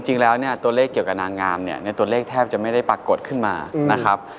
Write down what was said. จริงแล้วเนี่ยตัวเลขเกี่ยวกับนางงามเนี่ยในตัวเลขแทบจะไม่ได้ปรากฏขึ้นมานะครับ